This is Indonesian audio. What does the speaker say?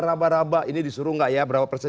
raba raba ini disuruh nggak ya berapa persen